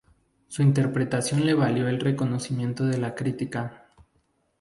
Su interpretación le valió el reconocimiento de la crítica.